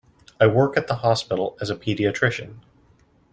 I work at the hospital as a paediatrician.